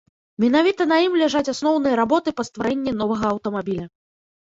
Менавіта на ім ляжаць асноўныя работы па стварэнні новага аўтамабіля.